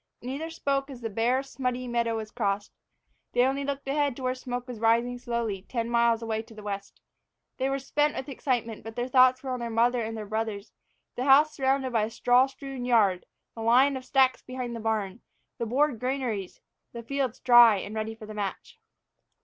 Neither spoke as the bare, smutty meadow was crossed. They only looked ahead to where smoke was rising slowly, ten miles away to the west. They were spent with excitement, but their thoughts were on their mother and brothers, the house surrounded by a straw strewn yard, the line of stacks behind the barn, the board granaries, the fields dry and ready for the match.